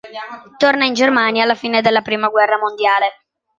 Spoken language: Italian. Torna in Germania alla fine della Prima Guerra mondiale.